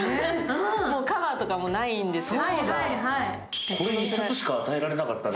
もうカバーとかもないんです。